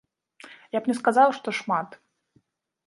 Я б не сказаў, што шмат.